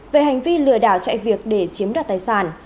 về hành vi lừa đảo chạy việc để chiếm đoạt tài sản